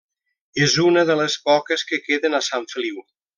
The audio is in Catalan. És una de les poques que queden a Sant Feliu.